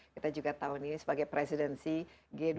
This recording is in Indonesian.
kita juga tahun ini sebagai presidensi g dua puluh